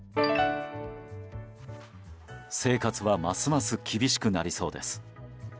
生活はますます厳しくなりそうです。